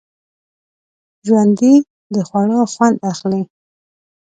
ژوندي د خوړو خوند اخلي